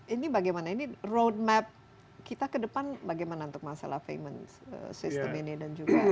ini bagaimana ini road map kita ke depan bagaimana untuk masalah payment sistem ini